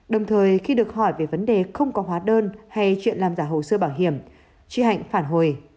đồng thời khi được hỏi về vấn đề không có hóa đơn hay chuyện làm giả hồ sơ bảo hiểm chị hạnh phản hồi